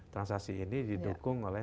transaksi ini didukung oleh